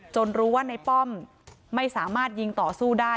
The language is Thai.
รู้ว่าในป้อมไม่สามารถยิงต่อสู้ได้